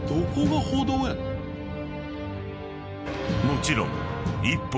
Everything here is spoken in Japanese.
［もちろん］